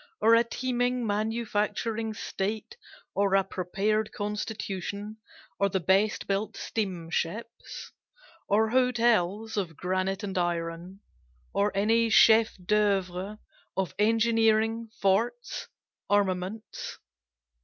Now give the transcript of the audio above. Or a teeming manufacturing state? or a prepared constitution? or the best built steamships? Or hotels of granite and iron? or any chef d'oeuvres of engineering, forts, armaments?